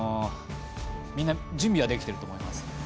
みんな準備はできていると思います。